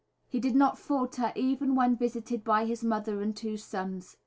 He did not falter even when visited by his mother and his two sons.